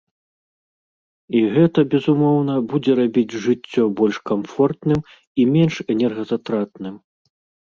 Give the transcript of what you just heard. І гэта, безумоўна, будзе рабіць жыццё больш камфортным і менш энергазатратным.